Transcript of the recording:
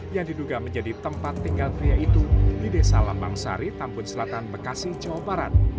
yang diduga menjadi tempat tinggal pria itu di desa lambang sari tambun selatan bekasi jawa barat